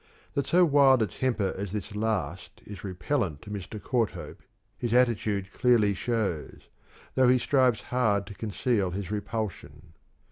That so wild a temper as this last is repellent to Mr. Courthope his attitude clearly shows, though he strives hard to conceal his repulsion.